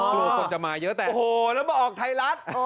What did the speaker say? กลัวคนจะมาเยอะแต่โอ้โหแล้วมาออกไทยรัฐ